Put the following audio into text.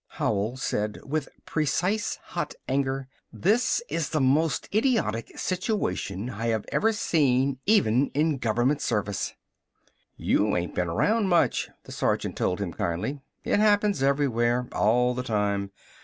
Howell said with precise hot anger: "This is the most idiotic situation I have ever seen even in government service!" "You ain't been around much," the sergeant told him kindly. "It happens everywhere. All the time.